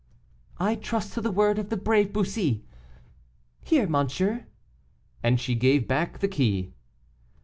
"I trust to the word of the brave Bussy. Here, monsieur," and she gave back the key.